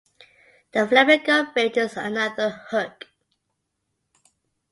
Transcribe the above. The flamenco bit is another hook.